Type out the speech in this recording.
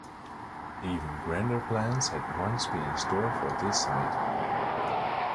Even grander plans had once been in store for this site.